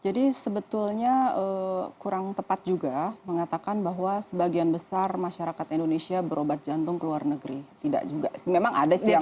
sebetulnya kurang tepat juga mengatakan bahwa sebagian besar masyarakat indonesia berobat jantung ke luar negeri tidak juga sih memang ada sih yang